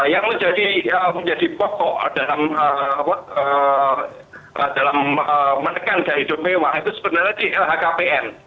yang menjadi pokok dalam menekan gaya hidup mewah itu sebenarnya di lhkpn